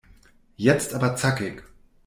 Jetzt aber zackig!